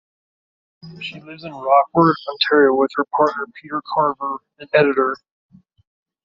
She lives in Rockwood, Ontario with her partner Peter Carver, an editor.